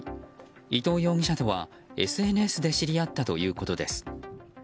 伊藤容疑者とは、ＳＮＳで知り合ったということです。